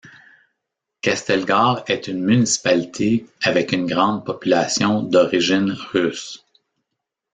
Castlegar est une municipalité avec une grande population d'origine russe.